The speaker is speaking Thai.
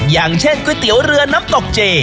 อย่างเช่นก๋วยเตี๋ยวเรือน้ำตกเจ